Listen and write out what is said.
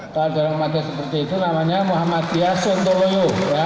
kalau di rumah dia seperti itu namanya muhammadiyah sontoloyo